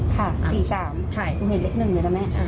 ใช่คุณเห็นเล็กหนึ่งเลยนะแม่